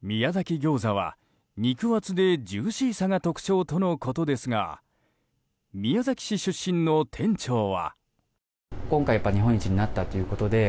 ギョーザは肉厚でジューシーさが特徴ということですが宮崎市出身の店長は。